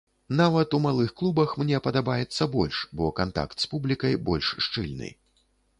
Нават у малых клубах мне падабаецца больш, бо кантакт з публікай больш шчыльны.